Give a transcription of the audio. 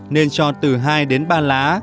nên cho từ hai đến ba lá